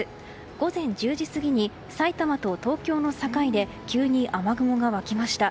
午前１０時過ぎに埼玉と東京の境で急に雨雲が湧きました。